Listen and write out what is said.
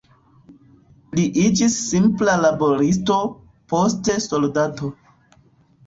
Li iĝis simpla laboristo, poste soldato.